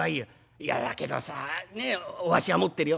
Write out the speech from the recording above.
「いやだけどさねっ御足は持ってるよ」。